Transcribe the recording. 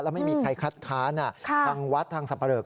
แล้วไม่มีใครคัดค้าน